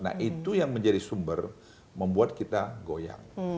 nah itu yang menjadi sumber membuat kita goyang